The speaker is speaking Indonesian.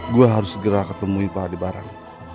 gue harus segera ketemuin pak adibarang